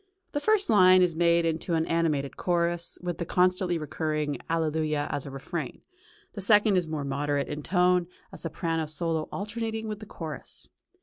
The first line is made into an animated chorus, with the constantly recurring Alleluia as a refrain; the second is more moderate in tone, a soprano solo alternating with the chorus.